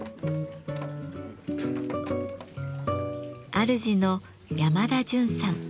あるじの山田純さん。